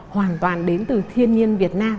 hoàn toàn đến từ thiên nhiên việt nam